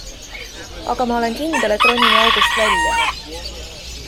Aga ma olen kindel, et ronime august välja.